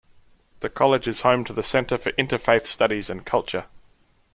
The college is home to the Center for Interfaith Studies and Culture.